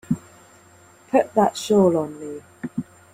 Put that shawl on me.